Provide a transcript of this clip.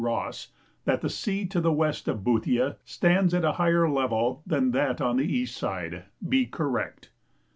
Ross, that "the sea to the west of Boothia stands at a higher level than that on the east side," be correct.